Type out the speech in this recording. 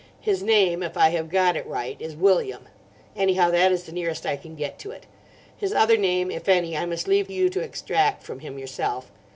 "His name—if I have got it right—is William. Anyhow, that is the nearest I can get to it. His other name, if any, I must leave you to extract from him yourself.